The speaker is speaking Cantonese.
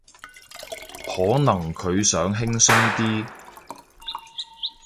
可能佢想輕鬆啲